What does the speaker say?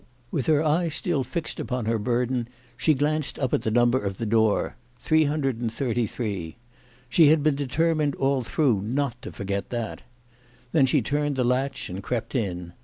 WITH her eye still fixed upon her burden, she glanced ;up at the number of the door 333. She had been determined all through not to forget that. Then she turned the latch and crept in.